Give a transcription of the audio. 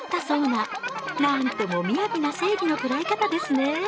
なんともみやびな生理の捉え方ですね。